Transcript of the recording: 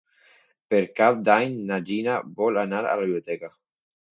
Per Cap d'Any na Gina vol anar a la biblioteca.